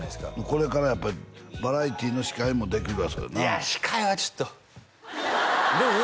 これからやっぱりバラエティーの司会もできるわそれないや司会はちょっとでもね